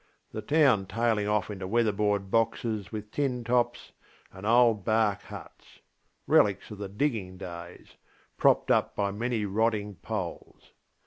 The town tailing off into weather board boxes with tin tops, and old bark hutsŌĆörelics of the digging daysŌĆö propped up by many rotting poles.